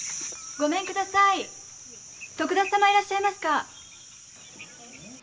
ごめん下さい徳田様いらっしゃいますか？